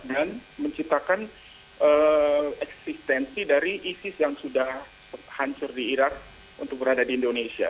dan menciptakan eksistensi dari isis yang sudah hancur di irak untuk berada di indonesia